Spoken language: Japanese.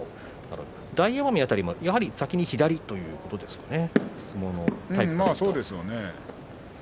大奄美辺りも先に左ということですかね。